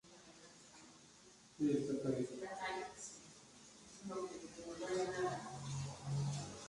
Ahora, sin duda, la zarina Isabel dio su perdón a Biron.